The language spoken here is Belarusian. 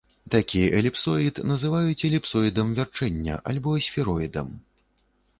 Такі эліпсоід называюць эліпсоідам вярчэння, альбо сфероідам.